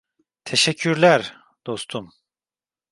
Teşekkürler, dostum.